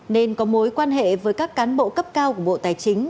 nên có mối quan hệ với các cán bộ cấp cao của bộ tài chính